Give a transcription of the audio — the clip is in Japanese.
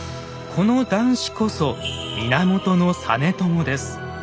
この男子こそ源実朝です。